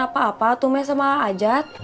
apa apa tuh sama a ajat